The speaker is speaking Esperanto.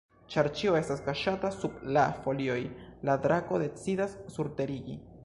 Ĉar ĉio estas kaŝata sub la folioj, la drako decidas surteriĝi.